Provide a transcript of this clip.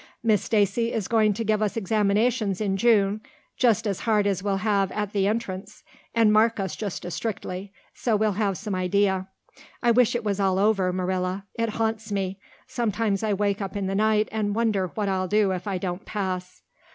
Miss Stacy is going to give us examinations in June just as hard as we'll have at the Entrance and mark us just as strictly, so we'll have some idea. I wish it was all over, Marilla. It haunts me. Sometimes I wake up in the night and wonder what I'll do if I don't pass."